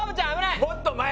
もっと前！